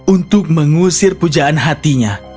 untuk mengusir pujaan hatinya